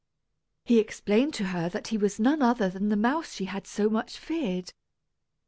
He explained to her that he was none other than the mouse she had so much feared.